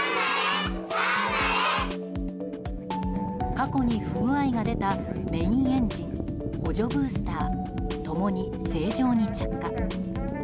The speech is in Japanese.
過去に不具合が出たメインエンジン、補助ブースター共に正常に着火。